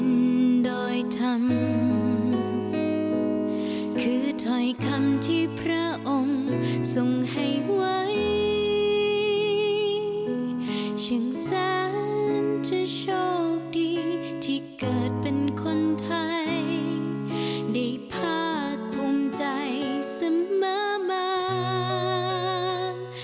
นี่มีสงสารถือโชคดีที่เกิดเป็นคนไทยในพากภูมิใจสมมาท